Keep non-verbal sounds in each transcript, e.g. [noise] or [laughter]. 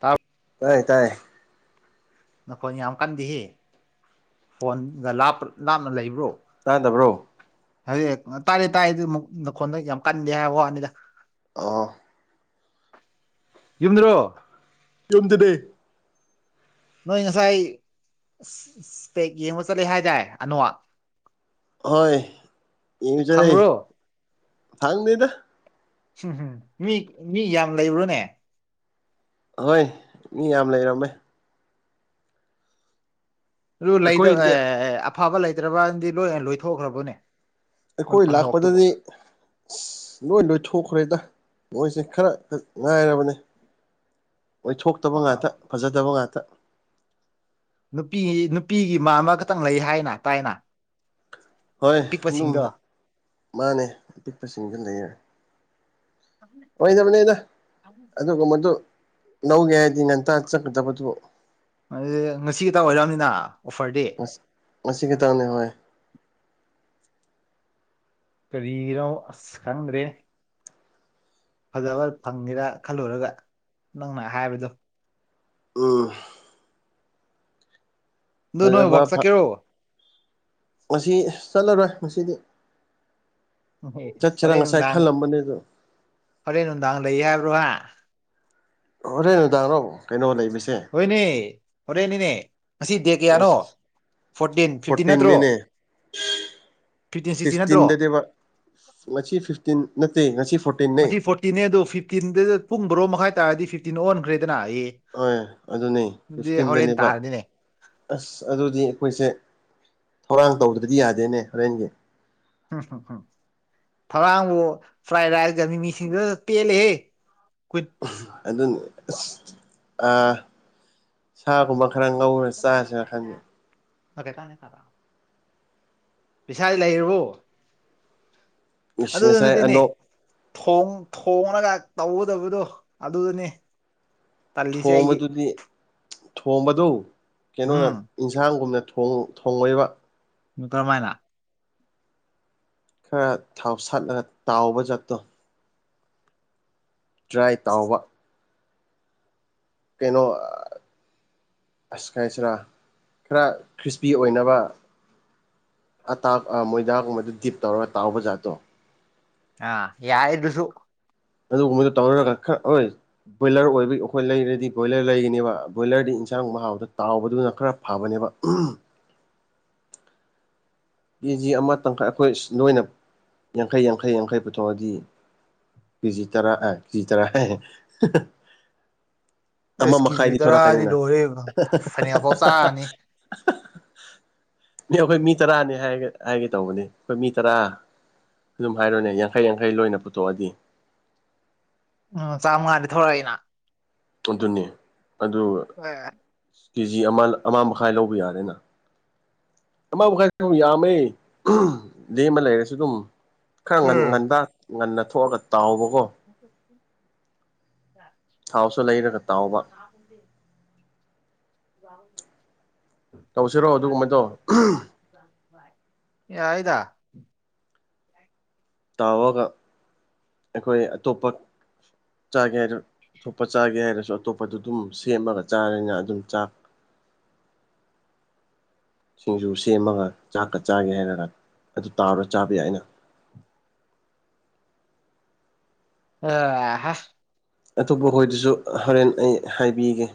ꯇꯥꯕ꯭ꯔꯣ ꯇꯥꯏꯌꯦ ꯇꯥꯏꯌꯦ ꯅꯈꯣꯟ ꯌꯥꯝ ꯀꯟꯗꯦꯍꯦ ꯐꯣꯟꯒ ꯂꯥꯞꯅ ꯂꯩꯕ꯭ꯔꯣ ꯇꯥꯗꯕ꯭ꯔꯣ ꯍꯧꯖꯤꯛ ꯇꯥꯔꯦ ꯇꯥꯔꯦ ꯑꯗꯨ ꯅꯈꯣꯟꯗꯣ ꯌꯥꯝ ꯀꯟꯗꯦ ꯍꯥꯏꯕ ꯋꯥꯅꯤꯗ ꯑꯣ ꯌꯨꯝꯗꯔꯣ ꯌꯨꯝꯗꯅꯦ ꯅꯣꯏ ꯉꯁꯥꯏꯦꯛ ꯌꯦꯡꯕ ꯆꯠꯂꯦ ꯍꯥꯏꯇꯥꯢ ꯑꯅꯣꯛ ꯍꯣꯏ ꯌꯦꯡꯕ ꯆꯠꯂꯦ ꯐꯪꯕ꯭ꯔꯣ ꯐꯪꯗꯦꯗ ꯎꯝꯍꯝ ꯃꯤ ꯃꯤ ꯌꯥꯝ ꯂꯩꯕ꯭ꯔꯣꯅꯦ ꯍꯣꯏ ꯃꯤ ꯌꯥꯝ ꯂꯩꯔꯝꯃꯦ ꯑꯗꯨ ꯂꯩ ꯑꯩꯈꯣꯏꯗꯤ ꯑꯦ ꯑꯐꯕ ꯂꯩꯇ꯭ꯔꯕꯅꯗꯤ ꯂꯣꯏ ꯂꯣꯏꯊꯣꯛꯈ꯭ꯔꯕꯅꯦ ꯑꯩꯈꯣꯏ ꯑꯅꯣꯛꯇꯨꯕꯣ ꯂꯥꯛꯄꯗꯗꯤ ꯑꯁ ꯂꯣꯏ ꯂꯣꯏꯊꯣꯛꯈ꯭ꯔꯦꯗ ꯃꯣꯏꯁꯦ ꯈꯔꯗ ꯉꯥꯏꯔꯕꯅꯦ ꯑꯣꯏ ꯊꯣꯛꯇꯕ ꯑ ꯑ ꯉꯥꯛꯇ ꯐꯖꯗꯕ ꯉꯥꯛꯇ ꯅꯨꯄꯤ ꯅꯨꯄꯤꯒꯤ ꯃꯟꯕ ꯈꯛꯇꯪ ꯂꯩ ꯍꯥꯏꯅ ꯇꯥꯏꯅ ꯍꯣꯏ ꯑꯗꯨ ꯑꯄꯤꯛꯄꯁꯤꯡꯗꯣ ꯃꯥꯅꯦ ꯑꯄꯤꯛꯄꯁꯤꯡꯁꯨ ꯂꯩꯌꯦ ꯑꯣꯏꯗꯕꯅꯤꯗ ꯑꯗꯨꯒꯨꯝꯕꯗꯨ ꯂꯧꯒꯦ ꯍꯥꯏꯗꯤ ꯉꯟꯇꯥ ꯆꯠꯒꯗꯕꯗꯣ ꯑꯗꯨ ꯉꯁꯤ ꯈꯛꯇ ꯑꯣꯏꯔꯝꯅꯤꯅ ꯑꯣꯐꯔꯗꯤ ꯃꯁꯤ ꯈꯤꯇꯪ ꯂꯩꯍꯧꯑꯦ ꯀꯔꯤꯅꯣ ꯑꯁ ꯈꯪꯗ꯭ꯔꯦ ꯐꯖꯕ ꯐꯪꯒꯦꯔꯥ ꯈꯜꯂꯨꯔꯒ ꯅꯪꯅ ꯍꯥꯏꯕꯗꯣ ꯎꯝ ꯑꯗꯨ ꯅꯣꯏ ꯐꯖꯕ ꯋꯥꯛꯁꯥꯛ ꯀꯦꯔꯣ ꯉꯁꯤ ꯆꯠꯂꯔꯣꯏ ꯉꯁꯤꯗꯤ ꯆꯠꯁꯤꯔꯥ ꯉꯁꯥꯏ ꯈꯜꯂꯝꯕꯅꯦ ꯑꯗꯨꯣ ꯐꯔꯦ ꯅꯨꯡꯗꯥꯡ ꯂꯩ ꯍꯥꯏꯕ꯭ꯔꯣꯍ ꯑꯣꯔꯦ ꯅꯨꯡꯗꯥꯡꯔꯣ ꯀꯩꯅꯣ ꯂꯩꯃꯤꯁꯦ ꯍꯣꯏꯅꯦ ꯍꯣꯔꯦꯟꯅꯤꯅꯦ ꯉꯁꯤ ꯗꯦ ꯀꯌꯥꯅꯣ ꯑꯁ ꯐꯣꯔꯇꯤꯟ ꯐꯤꯞꯇꯤꯟ ꯅꯠꯇ꯭ꯔꯣ ꯐꯣꯔꯇꯤꯟꯅꯤꯅꯦ ꯐꯤꯞꯇꯤꯟ ꯁꯤꯛꯁꯇꯤꯟ ꯅꯠꯇ꯭ꯔꯣ ꯉ ꯐꯤꯐꯇꯤꯟ ꯅꯠꯇꯦ ꯉꯁꯤ ꯐꯤꯞꯇꯤꯟ ꯃꯁꯤ ꯐꯣꯔꯇꯤꯟꯅꯦ ꯑꯗꯨ ꯐꯤꯐꯇꯤꯟꯗꯨꯗ ꯄꯨꯡ ꯕꯔꯣ ꯃꯈꯥꯏ ꯇꯥꯔꯗꯤ ꯐꯤꯐꯇꯤꯟ ꯑꯣꯟꯈ꯭ꯔꯦꯗꯅ ꯑꯦ ꯍꯣꯏ ꯑꯗꯨꯅꯦ ꯑꯗꯨꯗꯤ ꯍꯣꯔꯦꯟ ꯁꯀ꯭ꯔꯤꯟꯗꯅꯦꯕ ꯇꯥꯔꯅꯤꯅꯦ ꯑꯁ ꯑꯗꯨꯗꯤ ꯑꯩꯈꯣꯏꯁꯦ ꯊꯧꯔꯥꯡ ꯇꯧꯗ꯭ꯔꯗꯤ ꯌꯥꯗꯦꯅꯦ ꯍꯣꯔꯦꯟꯒꯤ ꯐ꯭ꯔꯥꯏ ꯔꯥꯏꯁꯒ ꯃꯤꯃꯤꯁꯤꯡꯖꯨ ꯗꯨꯗꯤ ꯄꯦꯜꯂꯦꯍꯦ ꯀꯨꯏꯟ ꯑꯗꯨꯅꯦ ꯁꯥꯒꯨꯝꯕ ꯈꯔ ꯉꯧꯔ ꯆꯥꯁꯤꯔ ꯈꯪꯗꯦ ꯐꯔꯦ ꯀꯥꯏꯅꯦ ꯈꯔꯥ [unintelligible] ꯄꯁꯥꯗꯤ ꯂꯩꯔꯕꯣ ꯏꯁ ꯑꯗꯨꯒꯤ ꯉꯁꯥꯏ ꯅꯠꯇꯦꯅꯦ ꯑꯅꯣꯛ ꯊ ꯊꯣꯡꯅꯒ ꯇꯧꯒꯗꯕꯗꯣ ꯑꯗꯨꯗꯅꯤ ꯇꯜꯂꯤꯁꯦ ꯑꯩꯗꯤ ꯊꯣꯡꯕꯗꯨꯗꯤ ꯊꯣꯕꯗꯨ ꯀꯩꯅꯣꯅ ꯎꯝ ꯏꯟꯁꯥꯡꯒꯨꯝꯅ ꯊꯣꯡꯂꯛꯕ ꯅꯨꯇ꯭ꯔꯃꯥꯏꯅ ꯈꯔ ꯊꯥꯎꯁꯠꯂꯒ ꯇꯥꯎꯕ ꯖꯥꯠꯇꯣ ꯇ꯭ꯔꯥꯏ ꯇꯥꯎꯕ ꯀꯩꯅꯩꯅꯣ ꯑꯁ ꯈꯥꯏꯁꯤꯔꯥ ꯈꯔ ꯈ꯭ꯔꯤꯁꯄꯤ ꯑꯣꯏꯅꯕ ꯑꯇ ꯃꯣꯏꯗꯒꯨꯝꯕꯗ ꯗꯤꯞ ꯇꯧꯔꯒ ꯇꯥꯎꯕ ꯖꯥꯠꯇꯣ ꯑ ꯌꯥꯏꯗꯁꯨ ꯑꯗꯨ ꯎꯥꯎꯋꯔ ꯔꯥꯛ ꯑꯣꯏ ꯕꯣꯏꯂꯔ ꯑꯣꯏꯕꯒꯤ ꯑꯩꯈꯣꯏ ꯂꯩꯔꯗꯤ ꯕꯣꯏꯂꯔ ꯂꯩꯒꯅꯦꯕ ꯕꯣꯏꯂꯔꯗꯤ ꯏꯟꯁꯥꯡ ꯃꯍ ꯍꯥꯎꯗ ꯇꯥꯎꯕꯗꯨꯅ ꯈꯔ ꯐꯕꯅꯦꯕ ꯀꯦꯖꯤ ꯑꯃ ꯇꯪꯈꯥꯏ ꯑꯩꯈꯣꯏ ꯅꯣꯏꯅ ꯌꯥꯡꯈꯩ ꯌꯥꯡꯈꯩ ꯌꯥꯡꯈꯩ ꯄꯨꯊꯣꯛꯑꯗꯤ ꯀꯖꯤ ꯇꯔꯥ ꯑ ꯀꯤꯖꯤ ꯇꯔꯥ ꯑꯃ ꯑꯦꯁ ꯀꯦꯖꯤ ꯃꯈꯥꯏꯗꯤ ꯇꯔꯥꯗꯤ ꯊꯣꯔꯛꯀꯅꯤꯅ ꯂꯣꯏꯔꯦ ꯐꯅꯦꯛ ꯐꯥꯎ ꯆꯥꯔꯅꯤ ꯑꯩꯈꯣꯏ ꯃꯤ ꯇꯔꯥꯅꯦ ꯑꯩ ꯍꯥꯏꯒꯦ ꯍꯥꯏꯒꯦ ꯇꯧꯕꯅꯤ ꯑꯩꯈꯣꯏ ꯃꯤ ꯇꯔꯥ ꯑꯗꯨꯝ ꯍꯥꯏꯔꯣꯏꯅꯦ ꯌꯥꯡꯈꯩ ꯌꯥꯡꯈꯩ ꯂꯣꯏꯅ ꯄꯨꯊꯣꯛꯑꯗꯤ ꯎꯝ ꯆꯥꯝꯃꯉꯥꯅꯤ ꯊꯣꯛꯛꯏꯅ ꯑꯗꯨꯅꯤ ꯑꯗꯨꯒ ꯑꯣ ꯀꯦꯖꯤ ꯑꯃ ꯑꯃ ꯃꯈꯥꯏ ꯂꯧꯕ ꯌꯥꯔꯦꯅ ꯑꯃ ꯃꯈꯥꯏ ꯌꯥꯝꯃꯦ ꯗꯦꯝ ꯑꯃ ꯂꯩꯔꯁꯨ ꯑꯗꯨꯝ ꯈꯔ ꯉꯟ ꯎꯝ ꯉꯟꯕ ꯉꯟꯅ ꯊꯣꯛꯑꯒ ꯇꯥꯎꯕꯀꯣ [inaudible] ꯊꯥꯎꯁꯨ ꯂꯩꯔꯒ ꯇꯥꯎꯕ ꯎꯝꯕꯤ ꯋꯥ ꯇꯧꯁꯤꯔꯣꯑꯣ ꯑꯗꯨꯒꯨꯝꯃꯥꯏ ꯇꯧ ꯑꯦ ꯍꯥꯏꯗ ꯇꯥꯎꯔꯒ ꯑꯩꯈꯣꯏ ꯑꯇꯣꯞꯄ ꯆꯥꯒꯦ ꯍꯥꯏꯔ ꯑ ꯊꯣꯛꯣꯞꯄ ꯆꯥꯒꯦ ꯍꯥꯏꯔꯁꯨ ꯑꯇꯣꯞꯄꯗ ꯑꯗꯨꯝ ꯁꯦꯝꯃꯒ ꯆꯥꯔꯅ ꯑꯗꯨꯝ ꯆꯥ ꯁꯤꯡꯖꯨ ꯁꯦꯝꯃꯒ ꯆꯥꯛꯀ ꯆꯥꯒꯦ ꯍꯥꯏꯔꯒ ꯑꯗꯨ ꯇꯥꯔꯨꯔ ꯆꯥꯕ ꯌꯥꯏ ꯑꯩꯅ ꯑꯣ ꯑꯇꯣꯞꯄ ꯍꯣꯏꯗꯁꯨ ꯍꯣꯔꯦꯟ ꯑꯩ ꯍꯥꯏꯕꯤꯒꯦ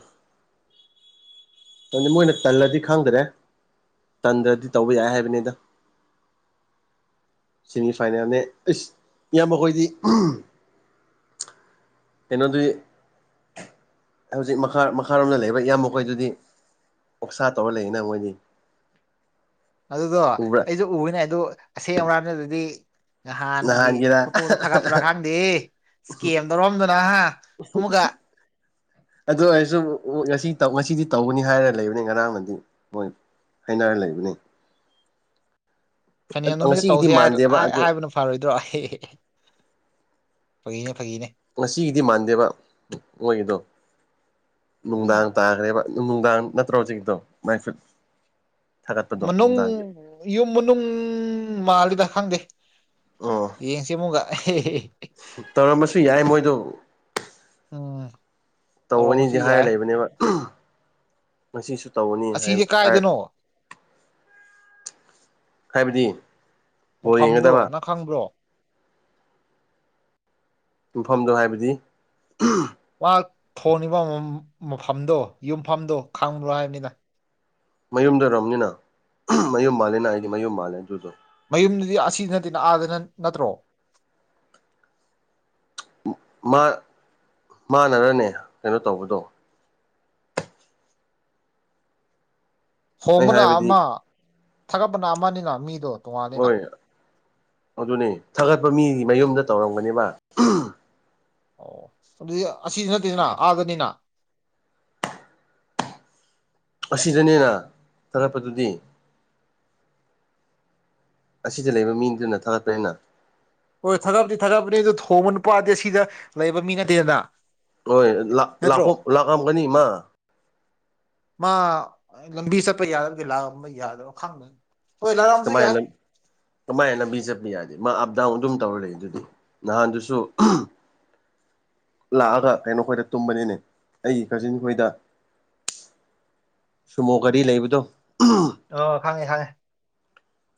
ꯇ ꯃꯣꯏꯅ ꯇꯜꯂꯗꯤ ꯈꯪꯗ꯭ꯔꯦ ꯇꯟꯗ꯭ꯔꯗꯤ ꯇꯧꯕ ꯌꯥꯏ ꯍꯥꯏꯕꯅꯤꯗꯪ ꯁꯦꯃꯤꯐꯥꯏꯅꯦꯜꯅꯦ ꯑꯩꯁ ꯌꯥꯝ ꯃꯈ ꯑꯩꯈꯣꯏꯗꯤ ꯀꯩꯅꯣꯗꯨ ꯍꯧꯖꯤꯛ ꯃꯈꯥ ꯃꯈꯥꯔꯣꯝꯗ ꯂꯩꯕ ꯏꯌꯥꯝꯕꯣꯏꯗꯨꯗꯤ ꯑꯣꯧꯁꯥ ꯇꯧꯔ ꯂꯩꯅ ꯃꯣꯏꯗꯤ ꯑꯗꯨꯗꯣ ꯎꯕ꯭ꯔꯥ ꯑꯩꯁꯨ ꯎꯅꯦ ꯑ ꯑꯗꯨ ꯑꯁꯦꯡ ꯑꯃꯔꯝꯗ ꯑꯗꯨꯗꯤ ꯅꯍꯥꯟꯒꯤ ꯅꯍꯥꯟꯒꯤꯔ ꯐꯣꯇꯣꯗ ꯊꯥꯒꯠꯄ꯭ꯔꯥ ꯈꯥꯡꯗꯦ ꯏꯁꯀꯦꯝꯗꯧꯔꯑꯝꯗꯨꯅ ꯑꯃꯨꯛꯀ ꯑꯗꯨ ꯑꯣꯏꯔꯁꯨ ꯉꯁꯤ ꯉꯁꯤꯗꯤ ꯇꯧꯒꯅꯤ ꯍꯥꯏꯔ ꯂꯩꯕꯅꯤ ꯉꯔꯥꯡꯅꯗꯤ ꯃꯣꯏ ꯍꯥꯏꯩꯅꯔ ꯂꯩꯕꯅꯤ ꯐꯅꯤ ꯅꯨ ꯃꯤꯁ ꯉꯁꯤꯒꯤꯗꯤ ꯇꯧꯁꯤ ꯍꯥꯏꯔ ꯃꯥꯟꯗꯦꯕ ꯑꯗꯨ ꯍꯥꯏꯕꯅ ꯐꯔꯣꯏꯗ꯭ꯔꯣ ꯑꯦ ꯐꯒꯤꯅꯦ ꯐꯥꯒꯤꯅꯦ ꯉꯁꯤꯒꯤꯗꯤ ꯃꯥꯟꯗꯦꯕ ꯃꯣꯏꯒꯤꯗꯣ ꯎꯝ ꯅꯨꯡꯗꯥꯡ ꯇꯥꯈ꯭ꯔꯦꯕ ꯅꯨꯡꯗꯥꯡ ꯅꯠꯇ꯭ꯔꯣ ꯍꯧꯖꯤꯛꯗꯣ ꯃꯥꯏꯐꯨꯠ ꯃꯅꯨꯡ ꯌꯨꯝ ꯃꯅꯨꯡ ꯃꯥꯜꯜꯂꯤꯗ ꯈꯪꯗꯦ ꯑꯣ ꯌꯦꯡꯁꯤ ꯃꯨꯒꯥ ꯇꯧꯔꯝꯕꯁꯨ ꯌꯥꯏ ꯃꯣꯏꯗꯣ ꯑꯣ ꯇꯧꯒꯅꯤꯗꯤ ꯍꯥꯏꯔ ꯂꯩꯕꯅꯦꯕ ꯉꯁꯤꯁꯨ ꯇꯧꯒꯅꯤ ꯍꯥꯏ ꯑꯁꯤꯁꯦ ꯍꯥꯏ ꯀꯥꯏꯗꯅꯣ ꯍꯥꯏꯕꯗꯤ ꯕꯣꯜ ꯃꯐꯝꯗꯣ ꯌꯦꯡꯒꯗꯕ ꯅꯪ ꯈꯪꯕ꯭ꯔꯣ ꯃꯐꯝꯗꯣ ꯍꯥꯏꯕꯗꯤ ꯉ ꯊꯣꯡꯉꯤꯕ ꯃꯐꯝꯗꯣ ꯌꯨꯝꯐꯝꯗꯣ ꯈꯥꯡꯨ ꯍꯥꯏꯕꯅꯤꯅ ꯃꯌꯨꯝꯗꯧꯔꯝꯅꯤꯅ ꯃꯌꯨꯝ ꯃꯥꯜꯂꯦꯅ ꯑꯩꯗꯤ ꯃꯌꯨꯝ ꯃꯥꯜꯂꯦ ꯑꯗꯨꯗꯣ ꯃꯌꯨꯝꯗꯨꯗꯤ ꯑꯁꯤ ꯅꯠꯇꯦꯅ ꯑꯥꯗꯅ ꯅꯠꯇ꯭ꯔꯣ ꯃꯅꯔꯅꯦ ꯀꯩꯅꯣ ꯇꯧꯕꯗꯣ ꯑꯩ ꯍꯣꯡꯕꯅ ꯍꯥꯏꯕꯗꯤ ꯑꯃ ꯊꯥꯒꯠꯄꯅ ꯑꯃꯅꯤꯅ ꯃꯤꯗꯣ ꯇꯣꯉꯥꯟꯅꯤꯅ ꯍꯣꯏ ꯑꯗꯨꯅꯤ ꯊꯥꯒꯠꯄ ꯃꯤꯗꯤ ꯃꯌꯨꯝꯗ ꯇꯧꯔꯝꯒꯅꯦꯕ ꯑꯣ ꯑꯗꯨꯗꯤ ꯑꯁꯤꯗꯤ ꯅꯠꯇꯦꯅ ꯑꯥꯗꯅꯤꯅ ꯑꯁꯤꯗꯅꯦꯅ ꯊꯥꯔꯛꯄꯗꯨꯗꯤ ꯑꯁꯤꯗ ꯂꯩꯕ ꯃꯤꯗꯨꯅ ꯊꯥꯒꯠꯄꯅꯤꯅ ꯍꯣꯏ ꯊꯥꯒꯠꯄꯗꯤ ꯊꯥꯒꯠꯄꯅꯤ ꯑꯗꯨ ꯊꯣꯡꯕ ꯅꯨꯄꯥꯗꯤ ꯁꯤꯗ ꯂꯩꯕ ꯃꯤ ꯅꯠꯇꯦꯗ ꯍꯣꯏ ꯂ ꯂꯥꯛ ꯂꯥꯛꯝꯒꯅꯤ ꯃꯥ ꯃꯥ ꯂꯝꯕꯤ ꯆꯠꯄ ꯌꯥꯗ꯭ꯔ ꯂꯥꯛꯑꯝꯕ ꯌꯥꯗ꯭ꯔ ꯈꯪꯗꯦ ꯍꯣꯏ ꯂꯥꯛꯑꯝꯁꯨ ꯌꯥꯏ ꯀꯃꯥꯏꯅ ꯀꯃꯥꯏꯅ ꯆꯠꯄ ꯌꯥꯗꯦ ꯃꯥ ꯑꯞ ꯗꯥꯎꯟ ꯑꯗꯨꯝ ꯇꯧꯔ ꯂꯩ ꯑꯗꯨꯗꯤ ꯅꯍꯥꯟꯗꯨꯁꯨ ꯂꯥꯛꯑꯒ ꯀꯩꯅꯣ ꯑꯩꯈꯣꯏꯗ ꯇꯨꯝꯕꯅꯤꯅꯦ ꯑꯩꯒꯤ ꯀꯖꯤꯟ ꯈꯣꯏꯗ ꯁꯨꯃꯣ ꯒꯔꯤ ꯂꯩꯕꯗꯣ ꯑꯣ ꯈꯪꯉꯦ ꯈꯪꯉꯦ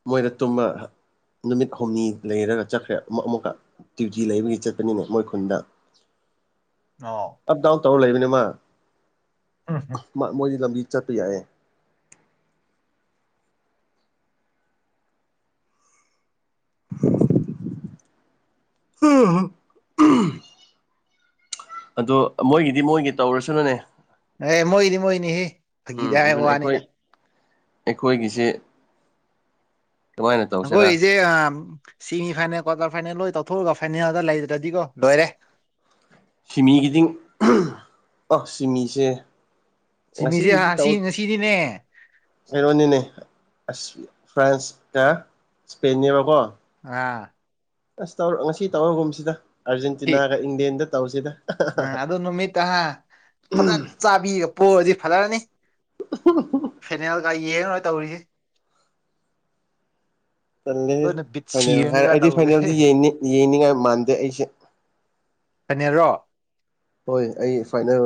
ꯃꯣꯏꯅ ꯇꯨꯝꯕ ꯅꯨꯃꯤꯠ ꯍꯨꯝꯅꯤ ꯂꯩꯔꯒ ꯆꯠꯈ꯭ꯔꯦ ꯑꯃꯨꯛ ꯑꯃꯨꯛꯀ ꯗ꯭ꯌꯨꯇꯤ ꯂꯩꯕꯒꯤ ꯆꯠꯄꯅꯤꯅꯦ ꯃꯣꯏ ꯈꯨꯟꯗ ꯑ ꯑꯞ ꯗꯥꯎꯟ ꯇꯧꯔ ꯂꯩꯕꯅꯤꯃ ꯍꯝ ꯍꯝ ꯃꯣꯏꯗꯤ ꯂꯝꯕꯤ ꯆꯠꯄ ꯌꯥꯏꯑꯦ ꯑꯣ ꯍꯝ ꯑꯗꯣ ꯃꯣꯏꯒꯤꯗꯤ ꯃꯣꯏꯒꯤ ꯇꯧꯔꯁꯅꯨꯅꯦ ꯑꯦ ꯃꯣꯏꯗꯤ ꯃꯣꯍꯤꯅꯤ ꯍꯦ ꯎꯝ ꯑꯗꯨꯅ ꯑꯩꯈꯣꯏ ꯑꯩꯈꯣꯏꯒꯤꯁꯦ ꯀꯃꯥꯏꯅ ꯑꯩꯈꯣꯏ ꯇꯧꯁꯤꯔꯥ ꯏꯁꯦ ꯁꯤꯦꯃꯤ ꯐꯥꯏꯅꯦꯜ ꯀ꯭ꯋꯥꯇꯔ ꯐꯥꯏꯅꯦꯜ ꯂꯣꯏ ꯇꯧꯊꯣꯛꯑꯒ ꯐꯥꯏꯅꯦꯜꯗ ꯂꯩꯗ꯭ꯔꯗꯤꯀꯣ ꯂꯣꯏꯔꯦ ꯁꯤꯃꯤꯒꯤꯗꯤꯡ ꯑꯣ ꯁꯤꯃꯤꯁꯦ ꯁꯤꯃꯤꯁꯦ ꯉꯁꯤꯒꯤꯗꯤ ꯁꯤ ꯇꯧ ꯉꯁꯤꯗꯤꯅꯦ ꯀꯩꯅꯣꯅꯤꯅꯦ ꯑꯁ ꯐ꯭ꯔꯥꯟꯁꯀ ꯏꯁꯄꯦꯦꯕꯀꯣ ꯑꯥ ꯑꯁ ꯇꯧꯔ ꯉꯁꯤ ꯇꯧꯔꯒꯨꯝꯁꯤꯗ ꯑꯥꯔꯖꯦꯟꯇꯤꯅꯥꯒ ꯏꯪꯂꯦꯟꯗ ꯇꯧꯁꯤꯗ ꯎꯝ ꯑꯗꯨ ꯅꯨꯃꯤꯠꯇ ꯐꯖꯅ ꯆꯥꯕꯤꯒ ꯄꯣꯛꯑꯗꯤ ꯐꯖꯔꯅꯤ ꯐꯦꯅꯦꯜꯒ ꯌꯦꯡꯔꯣꯏ ꯇꯧꯔꯤꯁꯤ ꯆꯜꯂꯦ ꯂꯣꯏꯅ ꯕꯤꯠ ꯐꯥꯏꯅꯦ ꯍꯥꯏꯔ ꯁꯤꯔꯅꯦꯕ ꯑꯩꯗꯤ ꯇꯧꯔꯤꯁꯦ ꯐꯥꯏꯅꯦꯜꯗꯤ ꯌꯦꯡꯅꯤꯡꯉꯥꯏ ꯃꯥꯟꯗꯦ ꯑꯩꯁꯦ ꯐꯅꯦꯔꯣ ꯍꯣꯏ ꯑꯩ ꯐꯥꯏꯅꯦꯜ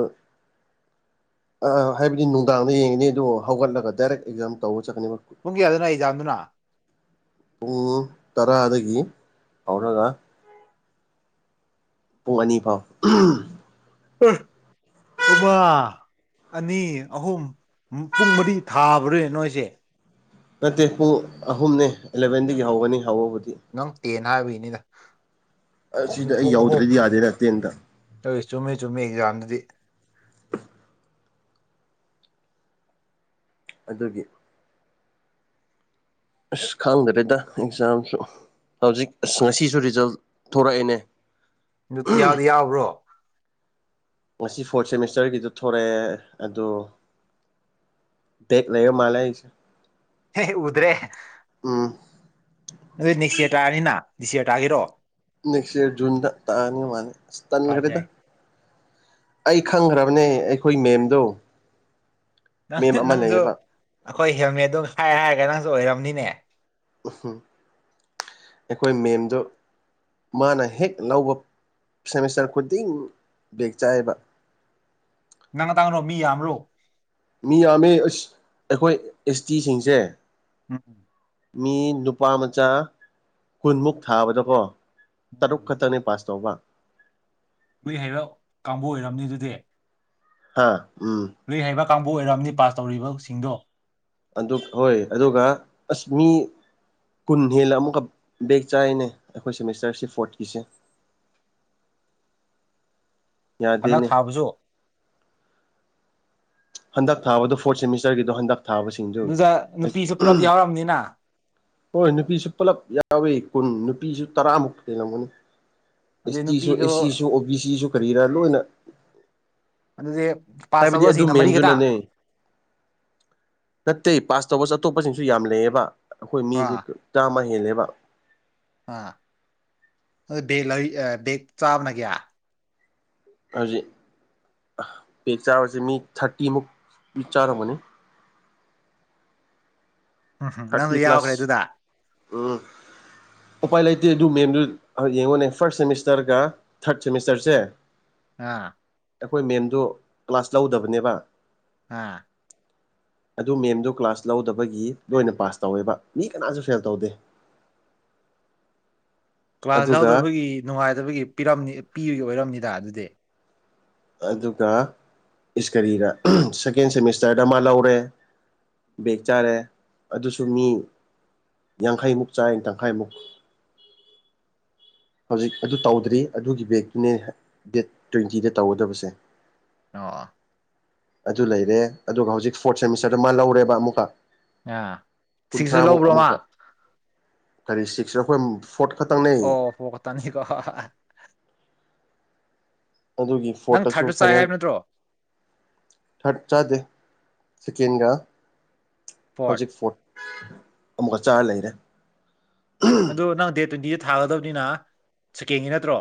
ꯑ ꯍꯥꯏꯕꯗꯤ ꯅꯨꯡꯗꯥꯡꯗ ꯌꯦꯡꯉꯅꯤ ꯑꯗꯨꯕꯨ ꯍꯧꯒꯠꯂꯒ ꯗꯥꯏꯔꯦꯛ ꯑꯦꯛꯖꯥꯝ ꯇꯧꯕ ꯆꯠꯀꯅꯤꯕ ꯄꯨꯡ ꯀꯌꯥ ꯑꯗꯨꯅ ꯑꯩꯖꯥꯝꯗꯨꯅ ꯄꯨꯡ ꯇꯔꯥꯗꯒꯤ ꯍꯧꯔꯒ ꯄꯨꯡ ꯑꯅꯤ ꯐꯥꯎ ꯄ ꯑꯃꯥ ꯑꯅꯤ ꯑꯍꯨꯝ ꯄꯨꯡ ꯃꯔꯤ ꯊꯥꯕ꯭ꯔꯣꯏ ꯅꯣꯏꯁꯦ ꯅꯠꯇꯦ ꯄꯨꯡ ꯑꯍꯨꯝꯅꯦ ꯑꯦꯂꯕꯦꯟꯗꯒꯤ ꯍꯧꯒꯅꯤ ꯍꯧꯕꯕꯨꯗꯤ ꯅꯪ ꯇꯦꯟ ꯍꯥꯏꯕꯒꯤꯅꯤꯗ ꯁꯤꯗ ꯑꯩ ꯌꯥꯎꯗ꯭ꯔꯦꯗꯤ ꯌꯥꯗꯦꯅ ꯇꯦꯟꯗ ꯑꯗꯨꯏ ꯆꯨꯝꯃꯦ ꯆꯨꯝꯃꯦ ꯑꯦꯛꯖꯥꯝꯗꯗꯤ ꯑꯗꯨꯒꯤ ꯑꯁ ꯈꯪꯗ꯭ꯔꯦꯗ ꯑꯦꯛꯖꯥꯝꯁꯨ ꯍꯧꯖꯤꯛ ꯑꯁ ꯉꯁꯤꯁꯨ ꯔꯤꯖꯜ ꯊꯣꯔꯛꯑꯦꯅꯦ ꯅꯨꯡꯇꯤꯌꯥꯗ ꯌꯥꯕ꯭ꯔꯣ ꯉꯁꯤ ꯐꯣꯔꯠ ꯁꯦꯃꯤꯁꯇꯔꯒꯤꯗ ꯊꯣꯛꯂꯛꯑꯦ ꯑꯗꯣ ꯗꯦꯛ ꯂꯩꯕ ꯃꯥꯂꯦ ꯍꯥꯏꯁꯦ ꯍꯦ ꯎꯗ꯭ꯔꯦ ꯑꯣꯥ ꯑꯗꯨ ꯦꯛꯁꯤꯌꯥ ꯇꯛꯑꯅꯤꯅ ꯅꯗꯤꯁꯁꯤꯔ ꯇꯥꯈꯤꯔꯣ ꯅꯦꯛꯁ ꯏꯔ ꯨꯟꯗ ꯇꯥꯅꯤ ꯃꯥꯅꯦ ꯇꯅ ꯈꯔꯗ ꯐꯖꯩ ꯑꯩ ꯈꯪꯈ꯭ꯔꯕꯅꯦ ꯑꯩꯈꯣꯏ ꯃꯦꯝꯗꯣ ꯅꯪ ꯃꯦꯝ ꯑꯃ ꯅꯪꯁꯨ ꯂꯩꯌꯦꯕ ꯑꯩꯈꯣꯏ ꯍꯦꯜꯃꯦꯠꯗꯣ ꯍꯥꯏ ꯍꯥꯏꯔꯒ ꯅꯪꯁꯨ ꯑꯣꯏꯔꯝꯅꯤꯅꯦ ꯎ ꯑꯩꯈꯣꯏ ꯃꯦꯝꯗꯣ ꯃꯥꯅ ꯍꯦꯛ ꯂꯧꯕ ꯁꯦꯃꯤꯁꯇꯔ ꯈꯨꯗꯤꯡ ꯕꯦꯛ ꯆꯥꯏꯑꯦꯕ ꯅꯪ ꯈꯇꯥꯡꯔꯣ ꯃꯤ ꯌꯥꯝꯔꯣ ꯃꯤ ꯌꯥꯝꯃꯤ ꯑꯁ ꯑꯩꯈꯣꯏ ꯑꯦꯁ ꯇꯤꯁꯤꯡꯁꯦ ꯎꯝ ꯎꯝ ꯃꯤ ꯅꯨꯄꯥ ꯃꯆꯥ ꯀꯨꯟꯃꯨꯛ ꯊꯥꯕꯗꯀꯣ ꯇꯔꯨꯛ ꯎꯝ ꯈꯇꯔꯅꯤ ꯄꯥꯁ ꯇ ꯋꯥ ꯂꯨꯏ ꯍꯥꯏꯔꯞ ꯀꯥꯡꯕꯨ ꯑꯣꯏꯔꯝꯅꯤ ꯑꯗꯨꯗꯤ ꯍꯥꯥ ꯎꯝ ꯂꯨꯏ ꯍꯩꯕ ꯀꯥꯡꯕꯨ ꯑꯣꯏꯔꯝꯅꯤ ꯄꯥꯁ ꯇꯧꯔꯤꯕꯁꯤꯡꯗꯣ ꯑꯗꯨ ꯍꯣꯏ ꯑꯗꯨꯒ ꯑꯁ ꯃꯤ ꯀꯨꯟ ꯍꯦꯜꯂ ꯑꯃꯨꯛꯀ ꯕꯦꯛ ꯆꯥꯔꯤꯅꯦ ꯑꯩꯈꯣꯏ ꯁꯦꯃꯤꯁꯇꯔꯁꯤ ꯐꯣꯔꯠꯀꯤꯁꯦ ꯍꯟꯗꯛ ꯌꯥꯗꯦꯅꯦ ꯊꯥꯕꯁꯨ ꯍꯟꯗꯛ ꯊꯥꯗꯣ ꯐꯣꯔꯠ ꯁꯦꯃꯤꯁꯇꯔꯒꯤꯣ ꯍꯗꯛ ꯊꯥꯕꯦ ꯑꯗꯨꯗ ꯅꯨꯄꯤꯁꯨ ꯄꯨꯂꯞ ꯌꯥꯎꯔꯝꯅꯤꯅ ꯍꯣꯏ ꯅꯨꯄꯤꯁꯨ ꯄꯨꯂꯞ ꯌꯥꯎꯋꯤ ꯀꯨꯟ ꯅꯨꯄꯤꯁꯨ ꯇꯔꯥꯃꯨꯛ ꯂꯩꯂꯝꯝꯒꯅꯤ ꯑꯦꯁ ꯑꯗꯩ ꯇꯤꯁꯨ ꯅꯨꯄꯤꯗꯣ ꯑꯦꯁ ꯁꯤꯁꯨ ꯑꯣ ꯕꯤ ꯁꯤꯁꯨ ꯀꯔꯤꯔꯥ ꯂꯣꯏꯅ ꯑꯗꯗꯤ ꯍꯥꯏꯕꯗꯤ ꯑꯗꯨ ꯃꯦꯝꯗꯨꯅꯅꯦ ꯅꯠꯇꯦ ꯄꯥꯁ ꯇꯧꯕꯁꯨ ꯑꯇꯣꯞꯄꯁꯤꯡꯁꯨ ꯌꯥꯝ ꯂꯩꯌꯦꯕ ꯑꯩꯈꯣꯏ ꯃꯤꯁꯦ ꯑꯥ ꯆꯥꯃꯥ ꯍꯦꯜꯂꯦꯕ ꯑꯥ ꯑꯗꯨ ꯕꯦꯂꯩ ꯑ ꯕꯦ [inaudible] ꯒ ꯆꯥꯕꯅ ꯀꯌꯥ ꯍꯧꯖꯤꯛ ꯄꯦꯛ ꯆꯥꯕꯁꯦ ꯃꯤ ꯊꯥꯔꯇꯤꯃꯨꯛ ꯆꯥꯔꯝꯒꯅꯤ ꯎꯝ ꯍꯨꯝ ꯊꯥꯔꯇꯤ ꯅꯪꯁꯨ ꯌꯥꯎꯈ꯭ꯔꯦ ꯄ꯭ꯂꯁ ꯑꯗꯨꯗ ꯎꯝ ꯎꯄꯥꯏ ꯂꯩꯇꯦ ꯑꯗꯨ ꯃꯦꯝꯗꯨ ꯌꯦꯡꯉꯣꯅꯦ ꯐꯥꯔꯁ ꯁꯦꯃꯤꯁꯇꯔꯒ ꯊꯥꯔꯠ ꯁꯦꯃꯤꯁꯇꯔꯁꯦ ꯑꯥ ꯑꯩꯈꯣꯏ ꯃꯦꯝꯗ ꯀ꯭ꯂꯥꯁ ꯂꯧꯗꯕꯅꯦꯕ ꯑꯥ ꯑꯗꯨ ꯃꯦꯝꯗꯨ ꯀ꯭ꯂꯥꯁ ꯂꯧꯗꯕꯒꯤ ꯂꯣꯏꯅ ꯄꯥꯁ ꯇꯧꯋꯦꯕ ꯃꯤ ꯀꯅꯥꯁꯨ ꯐꯦꯜ ꯇꯧꯗꯦ ꯀ꯭ꯂꯥꯁ ꯑꯗꯨꯒ ꯂꯧꯎꯗꯕꯒꯤ ꯅꯨꯡꯉꯥꯏꯗꯕꯒꯤ ꯄꯤꯔꯝ ꯄꯤꯕꯒꯤ ꯑꯣꯏꯔꯝꯅꯤꯗ ꯑꯗꯨꯗꯤ ꯑꯗꯨꯒ ꯏꯁ ꯀꯔꯤꯔ ꯁꯦꯀꯦꯟ ꯁꯦꯃꯤꯁꯇꯔꯗ ꯃꯥ ꯂꯧꯔꯦ ꯕꯦꯒ ꯆꯥꯔꯦ ꯑꯗꯨꯁꯨ ꯃꯤ ꯌꯥꯡꯈꯩꯃꯨꯛ ꯆꯥꯢ ꯇꯪꯈꯥꯏꯃꯨꯛ ꯍꯧꯖꯤꯛ ꯑꯗꯨ ꯇꯧꯗ꯭ꯔꯤ ꯑꯗꯨꯒꯤ ꯕꯦꯛꯇꯨꯅꯦ ꯗꯦꯠ ꯇ꯭ꯋꯦꯟꯇꯤꯗ ꯇꯧꯒꯗꯕꯁꯦ ꯑꯣ ꯑꯗꯨ ꯂꯩꯔꯦ ꯑꯗꯨꯒ ꯍꯧꯖꯤꯛ ꯐꯣꯔꯠ ꯁꯦꯃꯤꯁꯇꯔꯗ ꯃꯥ ꯂꯧꯔꯦꯕ ꯑꯃꯨꯛꯀ ꯑꯥ ꯁꯤꯛꯁꯁꯨ ꯀꯨꯟꯊ꯭ꯔꯥꯃꯨꯛ ꯂꯧꯕ꯭ꯔꯣ ꯃꯥ ꯑꯃꯨꯛꯀ ꯀꯔꯤ ꯁꯤꯛꯁ ꯑꯩꯈꯣꯏ ꯐꯣꯔꯠ ꯈꯛꯇꯪꯅꯦ ꯑꯣ ꯐ ꯇꯅꯤꯀꯣ [inaudible] ꯑꯗꯨꯒꯤ ꯅꯪ ꯐꯣꯠꯇꯁꯨ ꯊꯥꯔꯠꯁꯨ ꯆꯥꯏ ꯐꯥꯏꯅꯦꯜ ꯍꯥꯏꯕ ꯅꯠꯇ꯭ꯔꯣ ꯊꯥꯔꯠ ꯆꯗꯦ ꯁꯩꯀꯦꯟꯒ ꯐꯣꯔꯠ ꯍꯧꯖꯤꯛ ꯐꯣꯠ ꯑꯃꯨꯛꯀ ꯆꯥꯔ ꯂꯩꯔꯦ ꯑꯗꯣ ꯅꯪ ꯗꯦꯠ ꯇ꯭ꯋꯦꯟꯇꯤꯗ ꯊꯥꯒꯗꯕꯅꯤꯅ ꯁꯦꯀꯦꯟꯒꯤ ꯅꯠꯇ꯭ꯔꯣ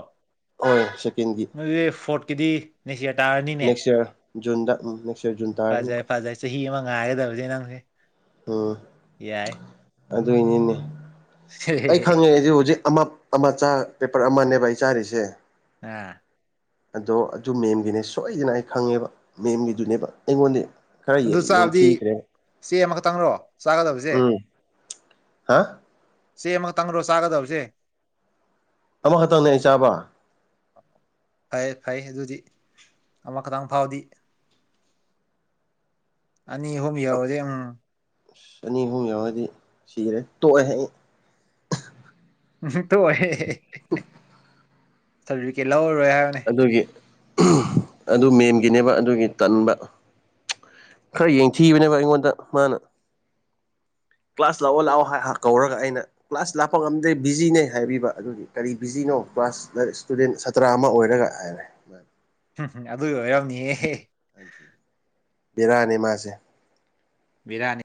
ꯍꯣꯏ ꯁꯦꯀꯦꯟꯒꯤ ꯗꯨꯗꯤ ꯐꯣꯠꯀꯤꯗꯤ ꯅꯦꯛꯁ ꯌꯥꯔ ꯇꯥꯔꯅꯤꯅꯦ ꯅꯦꯛꯁ ꯌꯔ ꯖꯨꯟꯗ ꯎꯝ ꯅꯦꯛꯁ ꯌꯔ ꯖꯨꯟ ꯇꯥꯔꯅꯤ ꯐꯖꯩ ꯑꯃꯨꯛꯀ ꯐꯖꯩ ꯆꯍꯤ ꯑꯃ ꯉꯥꯏꯒꯗꯕꯅꯦ ꯅꯪꯁꯦ ꯎꯝ ꯌꯥꯏ ꯑꯗꯨꯏꯅꯤꯅꯦ ꯑꯩ ꯈꯪꯉꯦ ꯍꯧꯖꯤꯛ ꯑꯃ ꯑꯃ ꯆꯥ ꯄꯦꯄꯔ ꯑꯃꯅꯦꯕ ꯑꯩ ꯆꯥꯔꯤꯁꯦ ꯑꯥꯝ ꯑꯗꯣ ꯑꯗꯨ ꯃꯦꯝꯒꯤꯅꯦ ꯁꯣꯏꯗꯅ ꯑꯩ ꯈꯪꯉꯦꯕ ꯃꯦꯝꯒꯤꯗꯨꯅꯦꯕ ꯑꯩꯉꯣꯟꯗ ꯈꯔ ꯑꯗꯨ ꯆꯥꯕꯗꯤ ꯌꯦꯡꯊꯤꯈ꯭ꯔꯦꯕ ꯆꯦ ꯑꯃꯈꯛꯇꯪꯔꯣ ꯆꯥꯒꯗꯕꯁꯦ ꯎꯝ ꯍꯥ ꯆꯦ ꯑꯃꯇꯪꯔꯣ ꯆꯥꯒꯗꯕꯁꯦ ꯑꯃꯈꯛꯇꯪꯅꯦ ꯑꯩ ꯆꯥꯕ ꯐꯩ ꯐꯩ ꯑꯗꯨꯗꯤ ꯑꯃꯈꯛꯇꯪ ꯐꯥꯎꯗꯤ ꯑꯅꯤ ꯑꯍꯨꯝ ꯌꯥꯎꯔꯗꯤ ꯆꯅꯤ ꯑꯍꯨꯝ ꯌꯥꯎꯔꯗꯤ ꯁꯤꯈꯔꯦ ꯇꯣꯛꯑꯦ ꯑꯩ ꯇꯣꯏꯔ [inaudible] ꯁꯕꯖꯤ ꯀꯩ ꯂꯧꯔꯔꯣꯏ ꯍꯥꯏ ꯑꯗꯨꯒꯤ ꯑꯗꯨ ꯃꯦꯝꯒꯤꯅꯦꯕ ꯑꯗꯨꯒꯤ ꯇꯟꯕ ꯈꯔ ꯌꯦꯡꯊꯤꯕꯅꯦꯕ ꯑꯩꯉꯣꯟꯗ ꯃꯥꯅ ꯀ꯭ꯂꯥꯁ ꯂꯥꯛꯕ ꯂꯥꯛꯑꯣ ꯍꯥꯏ ꯀꯧꯔꯒ ꯑꯩꯅ ꯀ꯭ꯂꯥꯁ ꯂꯥꯞꯄ ꯉꯝꯗꯦ ꯕꯤꯖꯤꯅꯦ ꯍꯥꯏꯕꯤꯕ ꯑꯗꯨꯗꯤ ꯀꯔꯤ ꯕꯤꯖꯤꯅꯣ ꯀ꯭ꯂꯥꯁ ꯏꯁꯇꯨꯗꯦꯟ ꯁꯥꯇ꯭ꯔ ꯑꯃ ꯑꯣꯏꯔꯒ ꯍꯥꯏꯔꯦ ꯎꯝ ꯑꯗꯨꯢ ꯑꯣꯏꯔꯝꯅꯤꯌꯦ ꯕꯦꯔꯅꯤ ꯃꯥꯁꯦ ꯕꯤꯔꯅꯤ